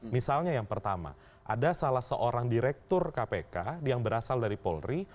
misalnya yang pertama ada salah seorang direktur kpk yang berasal dari polri